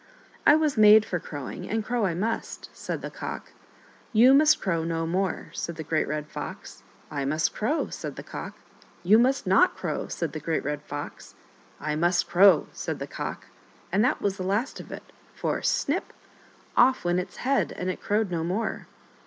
" I was made for crowing, and crow I must," said the Cock. "You must crow no more," said the Great Red Fox. " I must crow," said the Cock. " You must not crow," said the Great Red Fox. " I must crow," said the Cock. And that was the last of it for — ^snip !— off went its head, and it crowed no more.